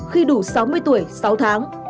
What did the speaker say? khi đủ sáu mươi tuổi sáu tháng